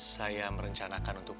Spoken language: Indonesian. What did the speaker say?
saya merencanakan untuk